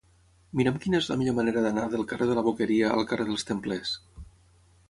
Mira'm quina és la millor manera d'anar del carrer de la Boqueria al carrer dels Templers.